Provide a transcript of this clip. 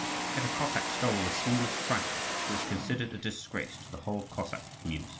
If a Cossack stole the smallest trifle, it was considered a disgrace to the whole Cossack community.